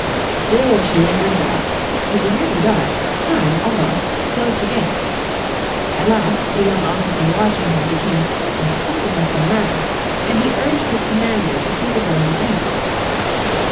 Still she lingered about, it was nearly dark, time almost to close the gates. At last the young officer watching her, became certain that something was the matter, and he urged his commander to see the girl again.